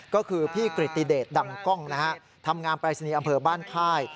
ก็คือพี่กริติเดชดังกล้องนะฮะทำงานปรายศนีย์อำเภอบ้านค่าย